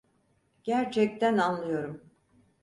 Gerçekten anlıyorum.